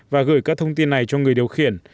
và gửi các thông tin này cho người điều khiển